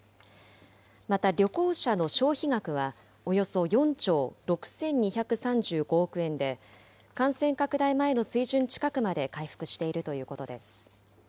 また旅行者の消費額は、およそ４兆６２３５億円で感染拡大前の水準近くまで回復しているということです。